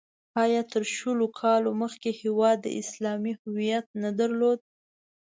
آیا تر شلو کالو مخکې هېواد اسلامي هویت نه درلود؟